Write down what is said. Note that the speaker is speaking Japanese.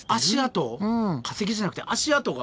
化石じゃなくて足跡が？